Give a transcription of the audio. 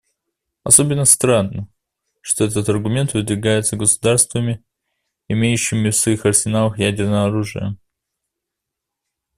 Особенно странно, что этот аргумент выдвигается государствами, имеющими в своих арсеналах ядерное оружие.